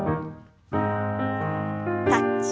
タッチ。